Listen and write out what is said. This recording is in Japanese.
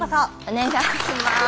お願いします。